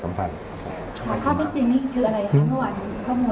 ข้อความจริงนี้คืออะไรครับเมื่อวานข้อมูลนั้นท่านบอกว่า